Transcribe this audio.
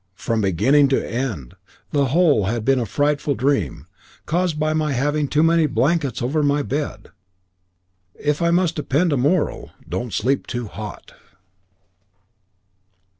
from beginning to end the whole had been a frightful dream caused by my having too many blankets over my bed. If I must append a moral Don't sleep too hot.